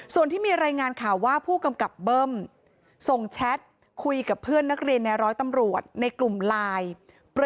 ส่วนที่มีรายงานข่าวว่าผู้กำกับเบิ้มส่งแชทคุยกับเพื่อนนักเรียนในร้อยตำรวจในกลุ่มไลน์